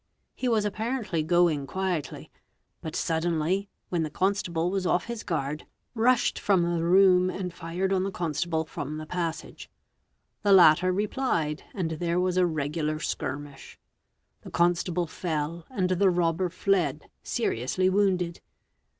He was apparently going quietly, but suddenly, when the constable was off his guard, rushed from the room and fired on the constable from the passage. The latter replied and there was a regular skirmish. 'The constable fell and the robber fled seriously wounded.